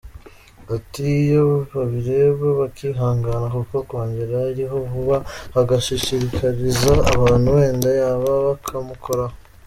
Ati “Iyo babireba bakihangana kuko kongere iriho vuba, bagaashishikariza abantu, wenda yaba bakamukuraho.